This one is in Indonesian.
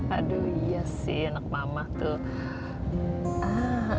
aduh iya sih anak mama tuh